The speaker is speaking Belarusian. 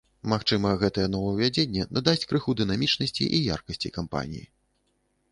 Магчыма, гэтае новаўвядзенне надасць крыху дынамічнасці і яркасці кампаніі.